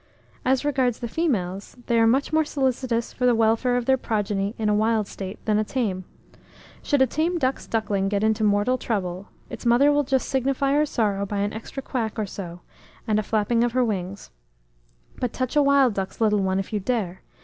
As regards the females, they are much more solicitous for the welfare of their progeny in a wild state than a tame. Should a tame duck's duckling get into mortal trouble, its mother will just signify her sorrow by an extra "quack," or so, and a flapping of her wings; but touch a wild duck's little one if you dare!